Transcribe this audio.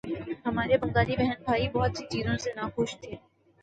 ہمارے بنگالی بہن بھائی بہت سی چیزوں سے ناخوش تھے۔